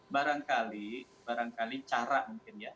barangkali barangkali cara mungkin ya